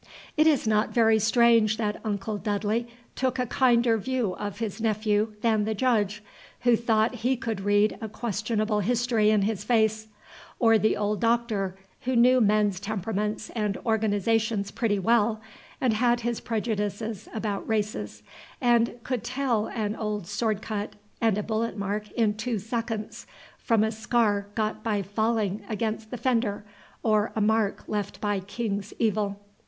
It is not very strange that uncle Dudley took a kinder view of his nephew than the Judge, who thought he could read a questionable history in his face, or the old Doctor, who knew men's temperaments and organizations pretty well, and had his prejudices about races, and could tell an old sword cut and a ballet mark in two seconds from a scar got by falling against the fender, or a mark left by king's evil.